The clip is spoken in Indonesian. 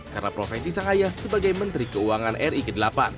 karena profesi sangkaya sebagai menteri keuangan ri ke delapan